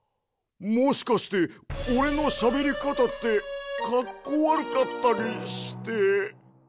もしかしておれのしゃべりかたってかっこわるかったりして？